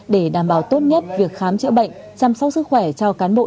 để đảm bảo tốt nhất việc khám chữa bệnh chăm sóc sức khỏe cho cán bộ